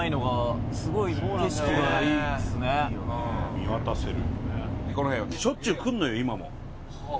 見渡せる。